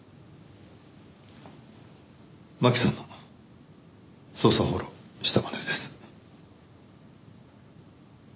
真紀さんの捜査をフォローしたまでです。